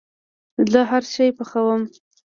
زه هرشی پخوم